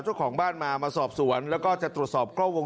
รอเชื่อมั่นราชคนเด็กป๊าตรงนี้ก่อเหตุตรงนี้ก็คือคนเด็กเคยพวดตลอกัน